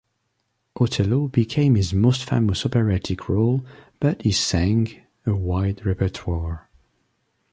Otello became his most famous operatic role but he sang a wide repertoire.